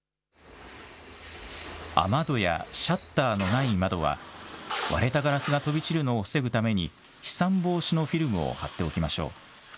雨戸やシャッターのない窓は、割れたガラスが飛び散るのを防ぐために、飛散防止のフィルムを貼っておきましょう。